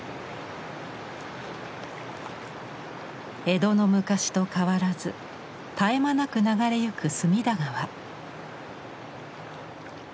江戸の昔と変わらず絶え間なく流れゆく隅田川。